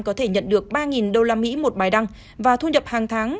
có thể nhận được ba usd một bài đăng và thu nhập hàng tháng